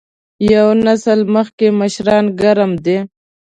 یو نسل مخکې مشران ګرم دي.